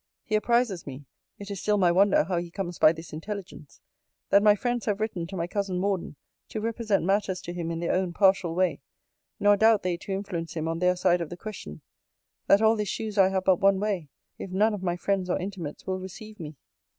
He apprizes me, [It is still my wonder, how he comes by this intelligence!] 'That my friends have written to my cousin Morden to represent matters to him in their own partial way; nor doubt they to influence him on their side of the question. 'That all this shews I have but one way; if none of my friends or intimates will receive me.